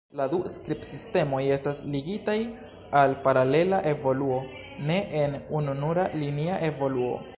La du skribsistemoj estas ligitaj al paralela evoluo, ne en ununura linia evoluo.